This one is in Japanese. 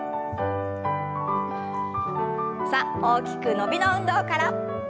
さあ大きく伸びの運動から。